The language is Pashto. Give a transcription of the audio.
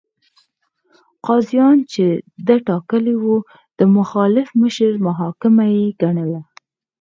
قاضیان چې ده ټاکلي وو، د مخالف مشر محاکمه یې ګڼله.